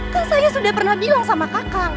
kak saya sudah pernah bilang sama kakak